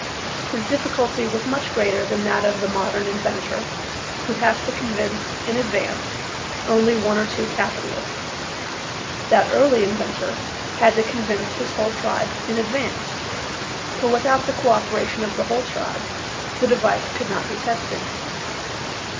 His difficulty was much greater than that of the modern inventor, who has to convince in advance only one or two capitalists. That early inventor had to convince his whole tribe in advance, for without the co operation of the whole tribe the device could not be tested.